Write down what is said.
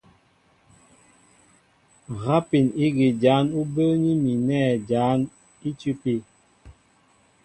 Rápin ígí jǎn ú bə́ə́ní mi nɛ̂ jǎn í tʉ́pí.